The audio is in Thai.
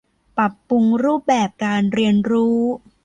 ปรับปรุงรูปแบบการเรียนรู้